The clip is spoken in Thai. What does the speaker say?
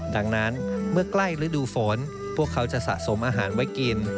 ดังนั้นเมื่อใกล้ฤดูฝนพวกเขาจะสะสมอาหารไว้กิน